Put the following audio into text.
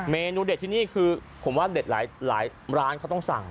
เมนูเด็ดที่นี่คือผมว่าเด็ดหลายร้านเขาต้องสั่ง